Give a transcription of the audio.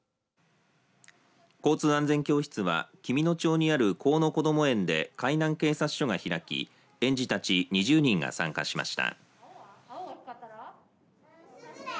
交通安全教室は紀美野町にあるこうのこども園で海南警察署が開き園児たち２０人が参加しました。